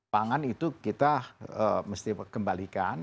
pangan itu kita mesti kembalikan